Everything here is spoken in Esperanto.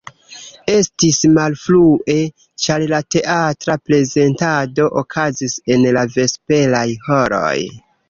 Estis malfrue, ĉar la teatra prezentado okazis en la vesperaj horoj.